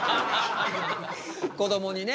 こどもにね。